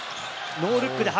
ノールックで原。